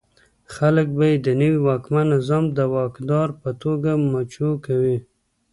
خلک به یې د نوي واکمن نظام د واکدار په توګه مچو کوي.